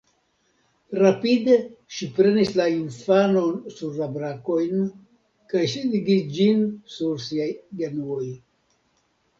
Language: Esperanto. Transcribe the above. Rapide ŝi prenis la infanon sur la brakojn kaj sidigis ĝin sur siaj genuoj.